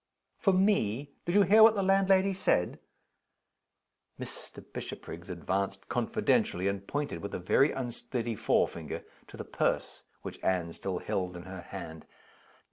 "For me? Did you hear what the landlady said?" Mr. Bishopriggs advanced confidentially, and pointed with a very unsteady forefinger to the purse which Anne still held in her hand.